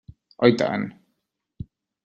Oi tant!